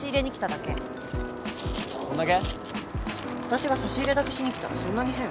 私が差し入れだけしに来たらそんなに変？